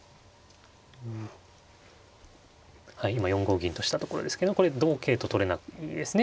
今４五銀としたところですけどこれ同桂と取れないですね。